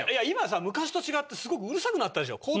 今さ昔と違ってすごくうるさくなったでしょ。